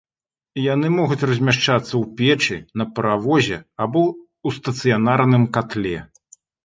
Яны могуць размяшчацца ў печы, на паравозе або ў стацыянарным катле.